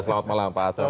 selamat malam pak asraf